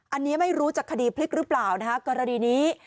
อันนี้ไม่รู้จะคดีพลิกหรือเปล่านะคะกรณีนี้